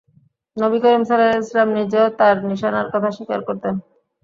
নবী করীম সাল্লাল্লাহু আলাইহি ওয়াসাল্লাম নিজেও তার নিশানার কথা স্বীকার করতেন।